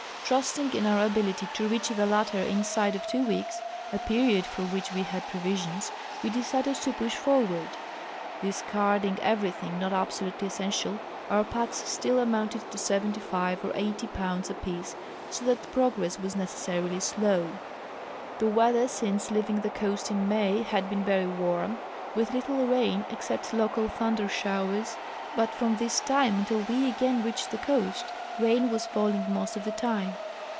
Trusting in our al)ility to reach the latter inside of tAvo Aveeks, a period for AA'hich Ave had provis ions, Ave decided to push forAvard. Discarding e\'erything not absolutely essential our packs still amounted to sevent3r five or eighty pounds apiece, so that progress Avas necessarily sIoav. The Aveather since leaving the coast in May had been very Avarm, Avith little rain except local thunder shoAvers, but from this time until we again reached the coast rain Avas falling most of the time.